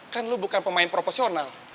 kan lo bukan pemain proposional